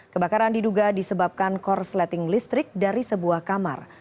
kebakaran diduga disebabkan korsleting listrik dari sebuah kamar